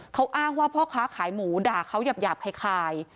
เขาอ้างว่าข้าขายหมูด่าเขายาบค่าย